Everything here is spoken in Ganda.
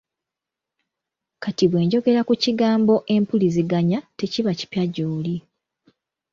Kati bwe njogera ku kigambo empuliziganya tekiba kipya gy’oli.